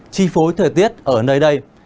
chi phối thời tiết ở nơi đây